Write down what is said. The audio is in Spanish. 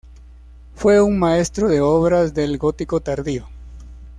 Fue un maestro de obras del gótico tardío.